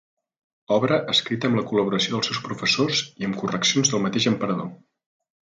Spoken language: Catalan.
Obra escrita amb la col·laboració dels seus professors i amb correccions del mateix emperador.